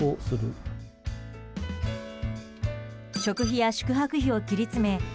食費や宿泊費を切り詰め